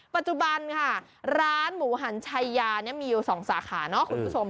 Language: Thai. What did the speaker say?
ปัจจุบันค่ะร้านหมูหันชัยยามีอยู่๒สาขาเนาะคุณผู้ชม